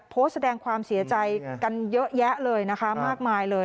โพสต์แสดงความเสียใจกันเยอะแยะเลยนะคะมากมายเลย